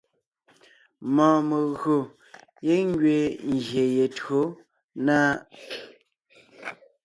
Mɔɔn megÿò giŋ ngẅiin ngyè ye tÿǒ na.